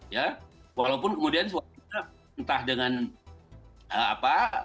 ya walaupun kemudian suaranya entah dengan apa